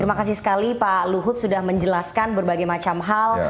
terima kasih sekali pak luhut sudah menjelaskan berbagai macam hal